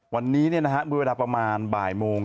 วันนี้ประมาณบ่ายโมง